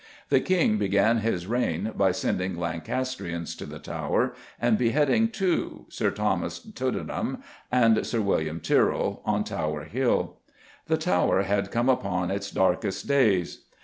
The King began his reign by sending Lancastrians to the Tower and beheading two, Sir Thomas Tudenham and Sir William Tyrrell, on Tower Hill. The Tower had come upon its darkest days.